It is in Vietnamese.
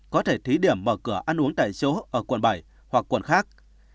có thể thí điểm mở cửa ăn uống tại chỗ ở quận bảy hoặc quận khác